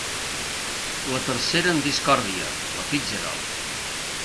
La tercera en discòrdia, la Fitzgerald.